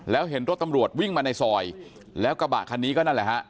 แล้วเห็นรถตำรวจวิ่งมาในซอยแล้วกระบะคันนี้ก็นั่นแหละฮะ